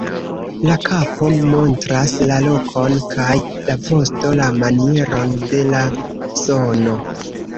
La kapo montras la lokon kaj la vosto la manieron de la sono.